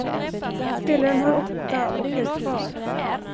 Spelaren har åtta och är kvar.